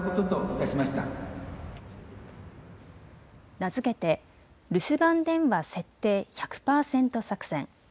名付けて留守番電話設定１００％作戦。